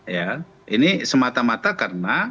ya ini semata mata karena